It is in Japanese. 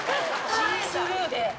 シースルーで。